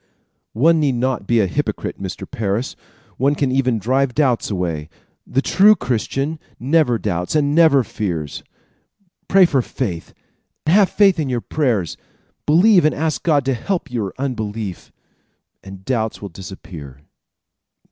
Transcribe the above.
"One need not be a hypocrite, Mr. Parris. One can even drive doubts away. The true Christian never doubts and never fears. Pray for faith, have faith in your prayers, believe and ask God to help your unbelief, and doubts will disappear."